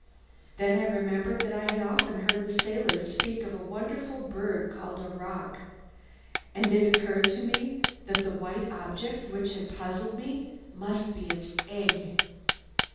Then I remembered that I had often heard the sailors speak of a wonderful bird called a roc, and it occurred to me that the white object which had so puzzled me must be its egg.